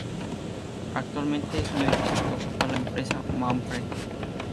Actualmente es un edificio que ocupa la empresa Mapfre.